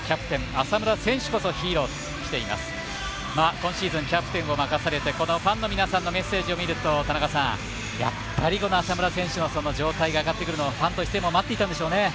今シーズンキャプテンを任されてファンの皆さんのメッセージを見るとやっぱり、この浅村選手の状態が上がってくるのをファンとしても待っていたんでしょうね。